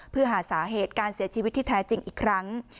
เพื่อหาสาเหตุการเสียชีวิตที่แท้จริงอีกครั้ง